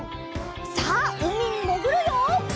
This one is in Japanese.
さあうみにもぐるよ！